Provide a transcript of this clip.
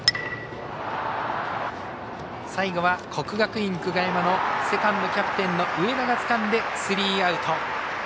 最後は国学院久我山のセカンドキャプテンの上田がつかんでスリーアウト。